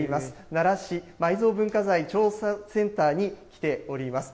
奈良市埋蔵文化財調査センターに来ております。